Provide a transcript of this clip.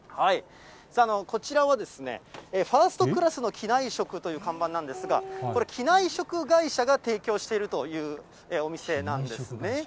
こちらは、ファーストクラスの機内食という看板なんですが、これ、機内食会社が提供しているというお店なんですね。